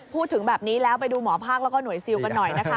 พูดถึงแบบนี้แล้วไปดูหมอภาคแล้วก็หน่วยซิลกันหน่อยนะคะ